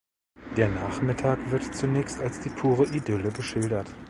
Der Nachmittag wird zunächst als die pure Idylle geschildert.